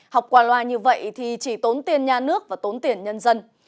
học quà loa như vậy thì chỉ tốn tiền nhà nước và tốn tiền nhân dân